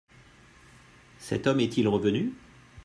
Cet homme est-il revenu ?